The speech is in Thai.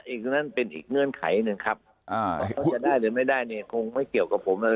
อีกเป็นแง่งเขินไขหนึ่งนะครับต้องใช้ได้หรือไม่ได้เนี่ยคงไม่เกี่ยวกับผมนะครับ